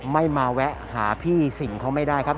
ไม่มาแวะหาพี่สิ่งเขาไม่ได้ครับ